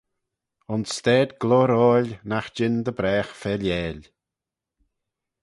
Ayns stayd gloyroil nagh jean dy bragh failleil.